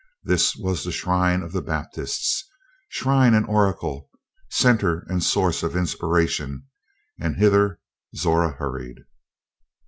This was the shrine of the Baptists shrine and oracle, centre and source of inspiration and hither Zora hurried.